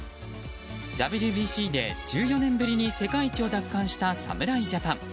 ＷＢＣで、１４年ぶりに世界一を奪還した侍ジャパン。